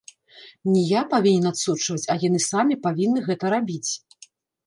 Не я павінен адсочваць, а яны самі павінны гэта рабіць.